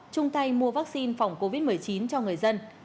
chung tay mua vaccine phòng covid một mươi chín cho người dân